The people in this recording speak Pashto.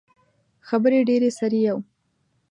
خبرې ډیرې سر يې یو.